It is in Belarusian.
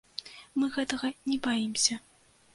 Мы гэтага не баімся.